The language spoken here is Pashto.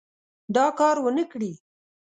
دا کار ونه کړي.